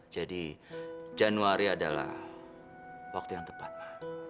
jadi januari adalah waktu yang tepat ma